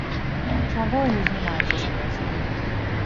Чаго ён узнімаецца з крэсла?